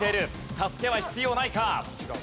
助けは必要ないか？